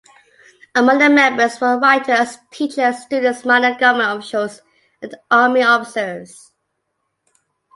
Among the members were writers, teachers, students, minor government officials, and army officers.